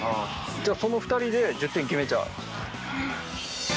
じゃあその２人で１０点決めちゃう。